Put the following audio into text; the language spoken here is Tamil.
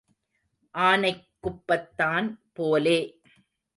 ஆனைக் குப்பத்தான் போலே,